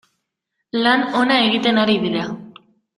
Lan ona egiten ari dira.